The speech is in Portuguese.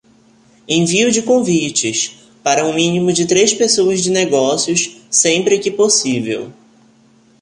Envio de convites: para um mínimo de três pessoas de negócios, sempre que possível.